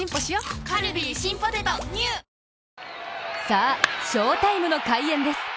さあ、翔タイムの開演です。